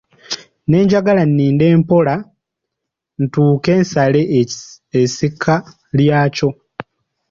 Ne njagala nnende mpola ntuuke nsale essika lyakyo.